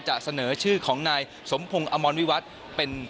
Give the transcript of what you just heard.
จะเสนอชื่อของนายสมพงศ์อมรวิวัตรเป็น